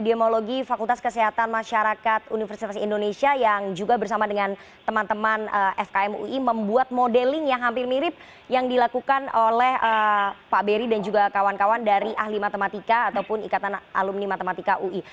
biologi fakultas kesehatan masyarakat universitas indonesia yang juga bersama dengan teman teman fkm ui membuat modeling yang hampir mirip yang dilakukan oleh pak beri dan juga kawan kawan dari ahli matematika ataupun ikatan alumni matematika ui